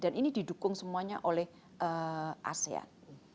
dan ini didukung semuanya oleh asean